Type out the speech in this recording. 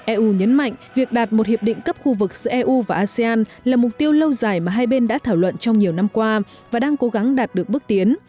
eu nhấn mạnh việc đạt một hiệp định cấp khu vực giữa eu và asean là mục tiêu lâu dài mà hai bên đã thảo luận trong nhiều năm qua và đang cố gắng đạt được bước tiến